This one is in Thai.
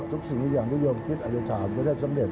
ทุกสิ่งทุกอย่างที่ยอมคิดอริจาลจะได้สำเร็จ